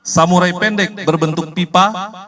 samurai pendek berbentuk pipa